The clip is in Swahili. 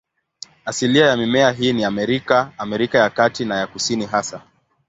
Asilia ya mimea hii ni Amerika, Amerika ya Kati na ya Kusini hasa.